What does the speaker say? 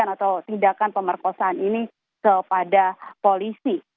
korban melakukan tindakan pemerkosaan terhadap polisi